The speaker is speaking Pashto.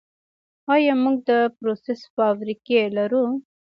آیا موږ د پروسس فابریکې لرو؟